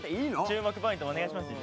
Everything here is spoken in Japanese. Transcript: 注目ポイントお願いしますよ。